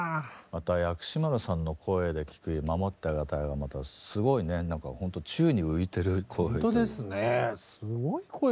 また薬師丸さんの声で聴く「守ってあげたい」がまたすごいねなんかほんと宙に浮いてる声っていうか。